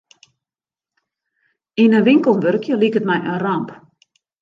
Yn in winkel wurkje liket my in ramp.